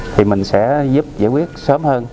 thì mình sẽ giúp giải quyết sớm hơn